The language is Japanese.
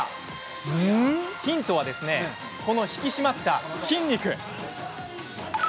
ヒントは引き締まったこの筋肉。